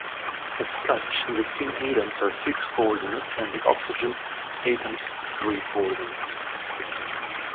As such the tin atoms are six coordinate and the oxygen atoms three coordinate.